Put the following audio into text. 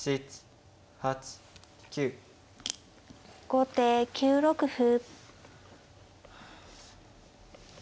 後手９六歩。